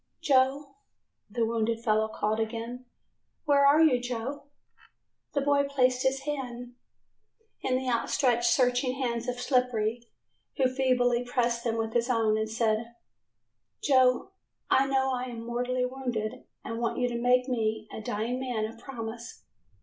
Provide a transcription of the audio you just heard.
"Joe," the wounded fellow called again, "where are you, Joe?" The boy placed his hand in the outstretched, searching hands of Slippery, who feebly pressed them with his own and said, "Joe, I know I am mortally wounded, and want you to make me, a dying man, a promise.